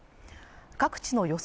各地の予想